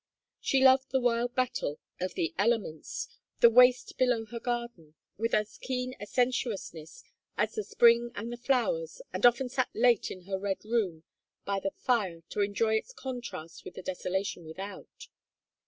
She loved the wild battle of the elements, the waste below her garden, with as keen a sensuousness as the spring and the flowers, and often sat late in her red room by the fire to enjoy its contrast with the desolation without.